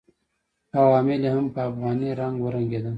عوامل یې هم په افغاني رنګ ورنګېدل.